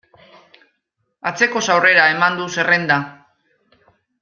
Atzekoz aurrera eman du zerrenda.